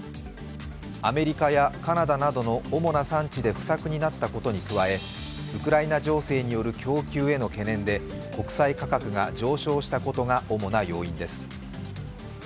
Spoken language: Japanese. アメリカやカナダなどの主な産地で不作になったことに加えウクライナ情勢による供給への懸念で国際価格が上昇したことが主な要因です。